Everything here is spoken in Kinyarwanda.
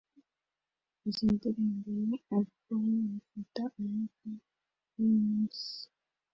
Izi ndirimbo na alubumu bifata umwuka wimpeshyi